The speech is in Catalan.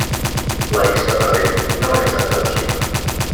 La llista present no és exhaustiva.